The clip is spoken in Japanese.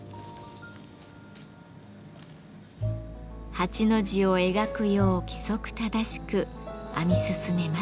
８の字を描くよう規則正しく編み進めます。